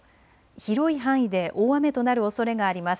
広い範囲で大雨となるおそれがあります。